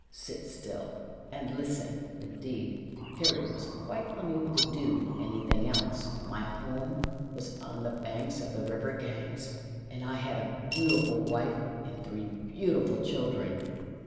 Sit still and listen" (and, indeed, Harry was quite unable to do anything else). " My home was on the banks of the river Ganges. I had a beautiful wife and three beautiful children."